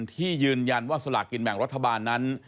ที่ยืนยันว่าสลากกินแบ่งรัฐบาลนั้น